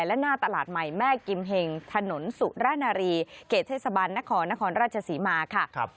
และหน้าตลาดใหม่แม่กิมเฮงถนนสุรณารีเขตเทศบาลนครนครราชศรีมาค่ะ